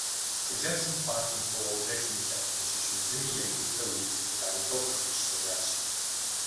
Хъыджэбзым пхъуантэм фӀыгъуэу дэлъым и лъэпкъым щыщу зыми емыӀусэу и цы Ӏуданэ топыр къищтэжащ.